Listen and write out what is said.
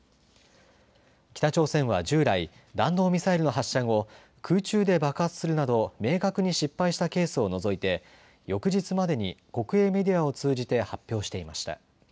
北朝鮮は従来、弾道ミサイルの発射後、空中で爆発するなど明確に失敗したケースを除いて翌日までに国営メディアを通じて発表していました。